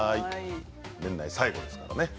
年内最後ですからね。